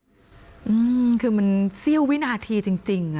อืมคือมันเสี้ยววินาทีจริง